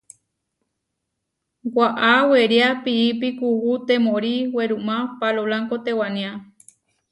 Waʼá weriá piípi kuú temóri werumá Pálo Blánko tewaniá.